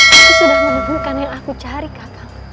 aku sudah mengumpulkan yang aku cari kakak